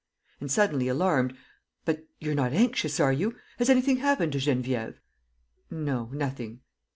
And, suddenly alarmed: "But you're not anxious, are you? Has anything happened to Geneviève?" "No, nothing."